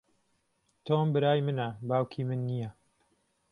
تۆم برای منە، باوکی من نییە.